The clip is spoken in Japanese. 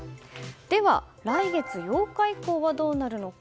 では来月８日以降はどうなるのか。